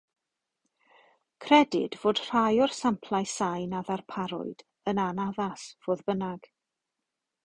Credid fod rhai o'r samplau sain a ddarparwyd yn anaddas, fodd bynnag.